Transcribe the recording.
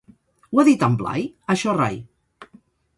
Ho ha dit en Blai? Això rai!